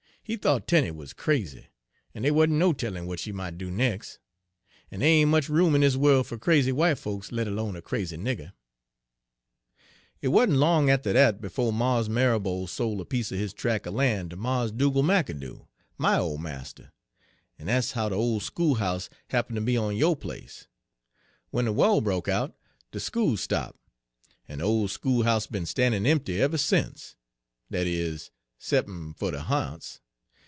He thought Tenie wuz crazy, en dey wa'n't no tellin' w'at she mought do nex'; en dey ain' much room in dis worl' fer crazy w'ite folks, let 'lone a crazy nigger. "Hit wa'n't long atter dat befo' Mars Marrabo sol' a piece er his track er lan' Page 60 ter Mars Dugal' McAdoo, my ole marster, en dat's how de ole school'ouse happen to be on yo' place. W'en de wah broke out, de school stop', en de ole school'ouse be'n stannin' empty ever sence, dat is, 'cep'n' fer de ha'nts.